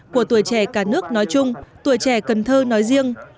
của tuổi trẻ cả nước nói chung tuổi trẻ cần thơ nói riêng